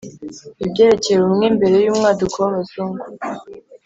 ibyerekeye ubumwe mbere y'umwaduko w'abazungu